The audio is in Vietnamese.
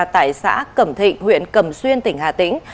tại xã cẩm thịnh huyện cẩm xuyên tỉnh hà tĩnh